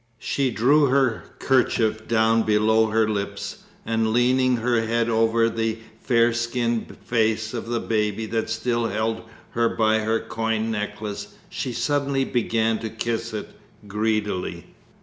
She drew her kerchief down below her lips, and leaning her head over the fair skinned face of the baby that still held her by her coin necklace she suddenly began to kiss it greedily.